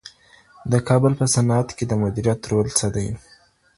د کابل په صنعت کي د مدیریت رول څه دی؟